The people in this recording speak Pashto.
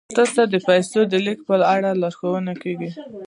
تاسو ته د پیسو د لیږد په اړه لارښوونه کیږي.